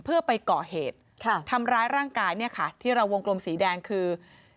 เพื่อไปก่อเหตุทำร้ายร่างกายเนี่ยค่ะที่เราวงกลมสีแดงคือ